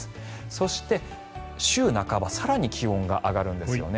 そして週半ば更に気温が上がるんですね。